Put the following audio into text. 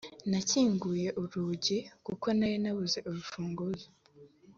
nakinguye urugi kuko nari nabuze urufunguzo.